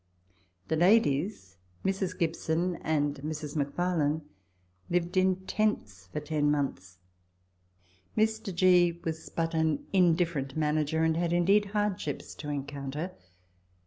The ladies, Mrs. Gibson and Mrs. McFarlane, lived in tents for ten months. Mr. G. was but an indif ferent manager, and had indeed hardships to encounter.